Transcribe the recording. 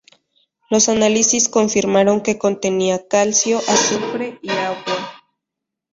Los análisis confirmaron que contenía calcio, azufre y agua.